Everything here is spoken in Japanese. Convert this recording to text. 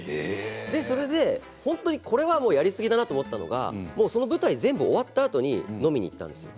それで本当にやりすぎだなと思ったのはその舞台、全部終わったあとに飲みに行ったんですよ。